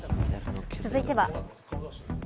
続いては。